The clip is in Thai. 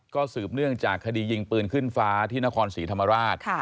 ก็สืบเนื่องจากคดียิงปืนขึ้นฟ้าที่นครศรีธรรมราช